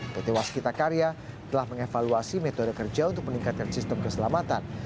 pt waskita karya telah mengevaluasi metode kerja untuk meningkatkan sistem keselamatan